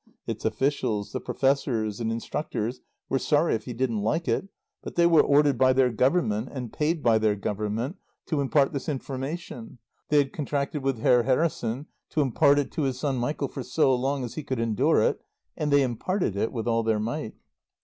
Its officials, the Professors and instructors, were sorry if he didn't like it, but they were ordered by their Government and paid by their Government to impart this information; they had contracted with Herr Harrison to impart it to his son Michael for so long as he could endure it, and they imparted it with all their might.